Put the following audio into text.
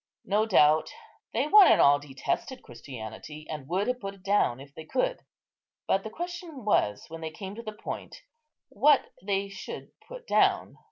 No doubt they one and all detested Christianity, and would have put it down, if they could; but the question was, when they came to the point, what they should put down.